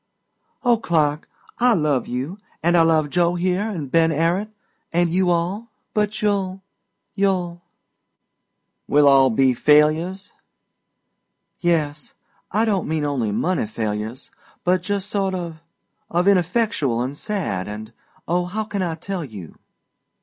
"Oh, Clark, I love you, and I love Joe here and Ben Arrot, and you all, but you'll you'll " "We'll all be failures?" "Yes. I don't mean only money failures, but just sort of of ineffectual and sad, and oh, how can I tell you?"